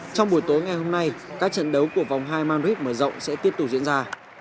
trong buổi tối ngày hôm nay các trận đấu của vòng hai madrid mở rộng sẽ tiếp tục diễn ra